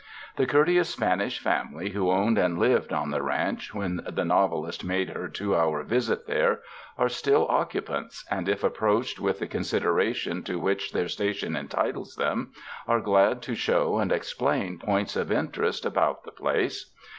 The courteous Spanish family who owned and lived on the ranch when the novel ist made her two hour visit there, are still occu pants and if approached with the consideration to which their station entitles them, are glad to show and explain points of interest about the place.